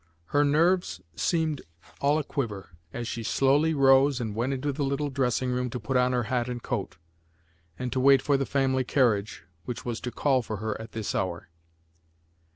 Her nerves seemed all aquiver as she slowly rose and went into the little dressing room to put on her hat and coat, and to wait for the family carriage which was to call for her at this hour.